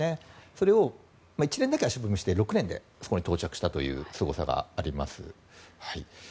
それを１年だけ足踏みして６年でそこに到着したというすごさがあります。